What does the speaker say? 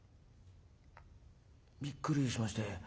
「びっくりしまして。